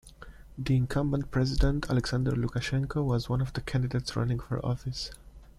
The incumbent president, Alexander Lukashenko, was one of the candidates running for office.